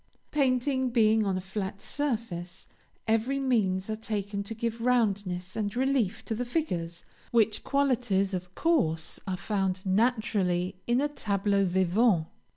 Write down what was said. Painting being on a flat surface, every means are taken to give roundness and relief to the figures, which qualities of course are found naturally in a tableau vivant.